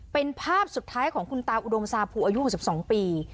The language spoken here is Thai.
เป็นภาพสุดท้ายของคุณตาอุดมซาภูอายุ๖๒ปี